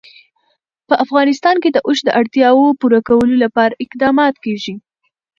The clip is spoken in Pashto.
په افغانستان کې د اوښ د اړتیاوو پوره کولو لپاره اقدامات کېږي.